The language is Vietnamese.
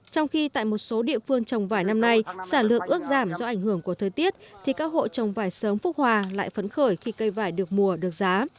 trong khi tại một số địa phương trồng vải năm nay sản lượng ước giảm do ảnh hưởng của thời tiết thì các hộ trồng vải sớm phúc hòa lại phấn khởi khi cây vải được mùa được giá